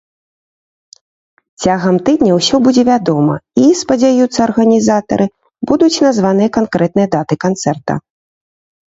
Цягам тыдня ўсё будзе вядома і, спадзяюцца арганізатары, будуць названыя канкрэтныя даты канцэрта.